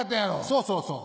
そうそうそう。